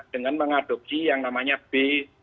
dengan mengadopsi yang namanya b tiga puluh